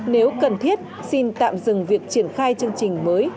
nếu cần thiết xin tạm dừng việc triển khai chương trình mới